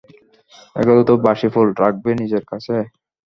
এগুলো তো বাসি ফুল, রাখবে নিজের কাছে?